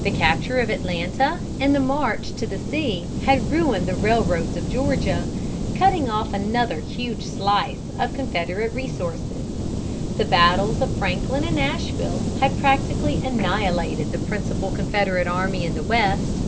The capture of Atlanta and the march to the sea had ruined the railroads of Georgia, cutting off another huge slice of Confederate resources. The battles of Franklin and Nashville had practically annihilated the principal Confederate army in the West.